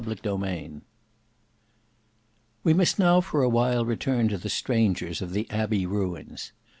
Book 2 Chapter 8 We must now for a while return to the strangers of the Abbey ruins.